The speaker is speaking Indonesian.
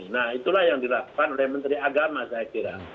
nah itulah yang dilakukan oleh menteri agama saya kira